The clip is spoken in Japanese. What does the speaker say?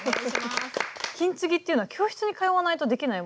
金継ぎっていうのは教室に通わないとできないものなんですかね？